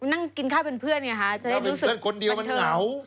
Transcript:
นั่งกินข้าวเป็นเพื่อนอย่างนี้ค่ะจะได้รู้สึกบันเทิง